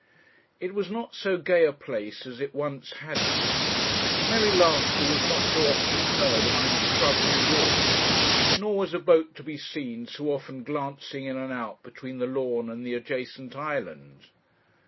It was not so gay a place as it once had been; merry laughter was not so often heard among the shrubbery walks, nor was a boat to be seen so often glancing in and out between the lawn and the adjacent island.